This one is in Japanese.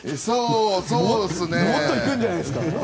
もっといくんじゃないですか。